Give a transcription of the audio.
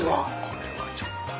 これはちょっと。